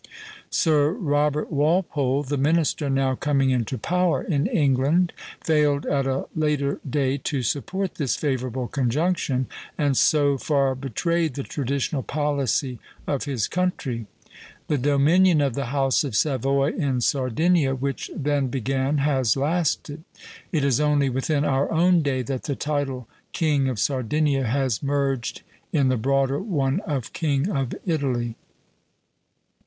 Sir Robert Walpole, the minister now coming into power in England, failed at a later day to support this favorable conjunction, and so far betrayed the traditional policy of his country. The dominion of the House of Savoy in Sardinia, which then began, has lasted; it is only within our own day that the title King of Sardinia has merged in the broader one of King of Italy.